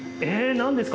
何ですか？